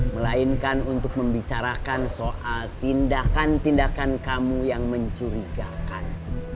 melainkan untuk membicarakan soal tindakan tindakan kamu yang mencurigakan